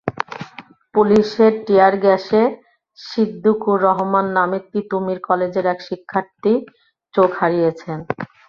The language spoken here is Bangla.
পুলিশের টিয়ার গ্যাসে সিদ্দিকুর রহমান নামে তিতুমীর কলেজের এক শিক্ষার্থী চোখ হারিয়েছেন।